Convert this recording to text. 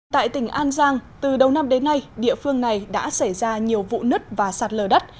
tại tỉnh an giang từ đầu năm đến nay địa phương này đã xảy ra nhiều vụ nứt và sạt lở đất